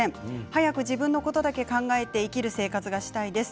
早く自分のことだけ考えて生きる生活がしたいです。